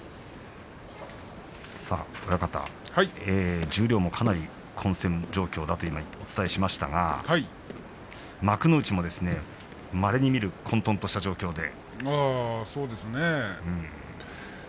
親方、十両もかなり混戦状況だとお伝えしましたが幕内もまれに見る混とんとした状況で。